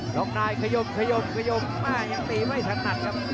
ล็อกนายขยมขยมขยมแม่ยังตีไม่ถนัดครับ